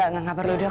nggak perlu dok